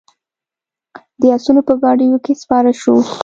د آسونو په ګاډیو کې سپاره شوو.